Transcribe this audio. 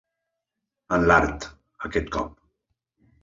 En l'art, aquest cop.